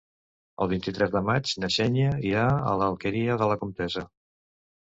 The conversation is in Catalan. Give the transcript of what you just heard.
El vint-i-tres de maig na Xènia irà a l'Alqueria de la Comtessa.